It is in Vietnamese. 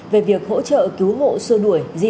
về việc hỗ trợ cứu hộ xua đuổi